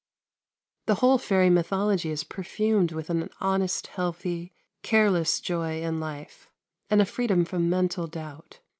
The whole fairy mythology is perfumed with an honest, healthy, careless joy in life, and a freedom from mental doubt.